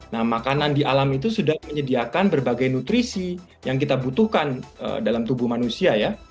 nah makanan di alam itu sudah menyediakan berbagai nutrisi yang kita butuhkan dalam tubuh manusia ya